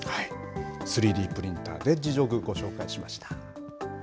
３Ｄプリンターで自助具、ご紹介しました。